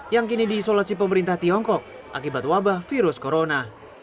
yang kini diisolasi pemerintah tiongkok akibat wabah virus corona